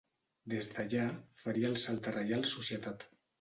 Des d'allà, faria el salt a Reial Societat.